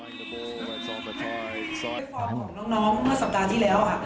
ด้วยความของน้องเมื่อสัปดาห์ที่แล้วค่ะ